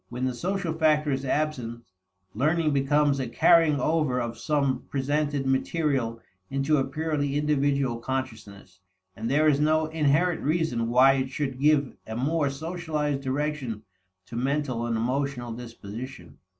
When the social factor is absent, learning becomes a carrying over of some presented material into a purely individual consciousness, and there is no inherent reason why it should give a more socialized direction to mental and emotional disposition.